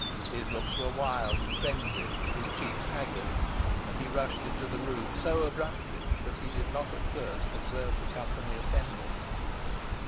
His looks were wild and frenzied, his cheeks haggard, and he rushed into the room so abruptly that he did not at first observe the company assembled.